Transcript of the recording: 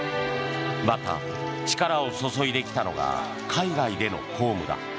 また力を注いできたのが海外での公務だ。